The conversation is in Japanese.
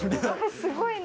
すごいな。